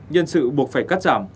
nhân sự buộc phải cắt giảm